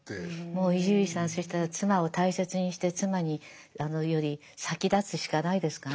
もう伊集院さんそしたら妻を大切にして妻より先立つしかないですかね。